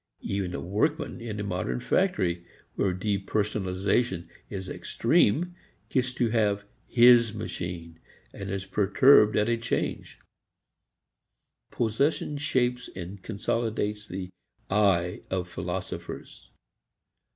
Even a workman in a modern factory where depersonalization is extreme gets to have "his" machine and is perturbed at a change. Possession shapes and consolidates the "I" of philosophers.